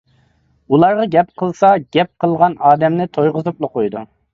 ئۇلارغا گەپ قىلسا گەپ قىلغان ئادەمنى تويغۇزۇپلا قويىدۇ.